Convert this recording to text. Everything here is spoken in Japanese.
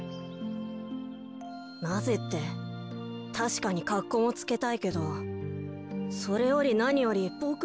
なぜってたしかにかっこもつけたいけどそれよりなによりボクはバラがすきなんだ。